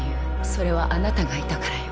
それはあなたがいたからよ。